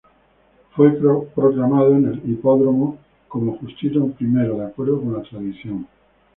Fue proclamado en el hipódromo como Justino I, de acuerdo con la tradición.